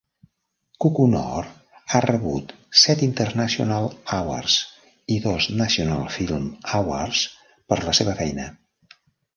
Kukunoor ha rebut set International Awards, i dos National Film Awards per la seva feina.